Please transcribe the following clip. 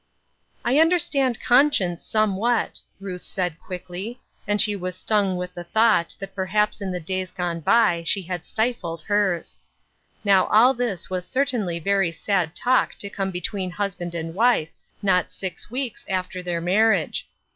"I understand conscience, somewhat," Ruth said, quickly, and she was stung with the thought that perhaps in the days gone by she had stifled hers. Now all this was certainly very sad talk to come between husband and wife not six weeks after their marriage.